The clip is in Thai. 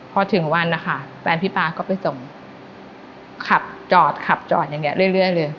พอถึงวันนะคะแฟนพี่ป๊าก็ไปส่งขับจอดขับจอดอย่างนี้เรื่อยเลย